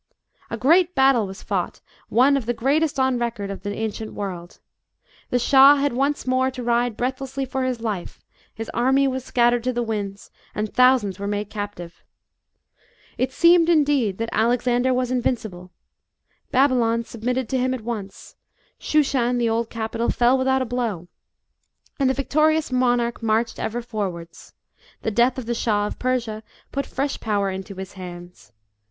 A great battle was fought one of the greatest on record of the ancient world. The Shah had once more to ride breathlessly for his life, his army was scattered to the winds, and thousands were made captive. It seemed, indeed, that Alexander was invincible. Babylon submitted to him at once, Shushan, the old capital, fell without a blow, and the victorious 144 MURDER OF CLITUS. [B.C. 327. monarch marched ever forwards. The death of the Shah of Persia put fresh power into his hands.